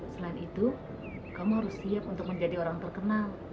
selain itu kamu harus siap untuk menjadi orang terkenal